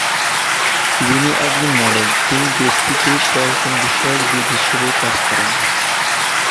তিনি একজন মডেল তিনি দেশটিতে পর্যটন বিষয়ক দূত হিসেবেও কাজ করেন।